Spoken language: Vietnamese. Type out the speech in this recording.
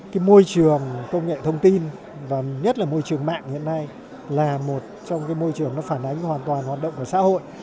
cái môi trường công nghệ thông tin và nhất là môi trường mạng hiện nay là một trong cái môi trường nó phản ánh hoàn toàn hoạt động của xã hội